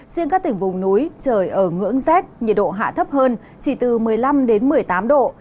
riêng các tỉnh vùng núi trời ở ngưỡng rét nhiệt độ hạ thấp hơn chỉ từ một mươi năm một mươi tám độ